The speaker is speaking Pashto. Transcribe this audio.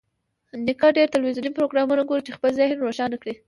نیکه ډېر تلویزیوني پروګرامونه ګوري چې خپل ذهن روښانه کړي.